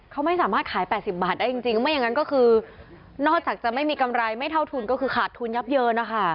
เขาไม่สามารถขาย๘๐บาทได้จริงไม่อย่างนั้นก็คือนอกจากจะไม่มีกำไรไม่เท่าทุนก็คือขาดทุนยับเยินนะคะ